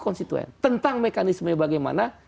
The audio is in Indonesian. constituent tentang mekanisme bagaimana